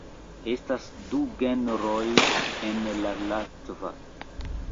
Estas du genroj en la latva.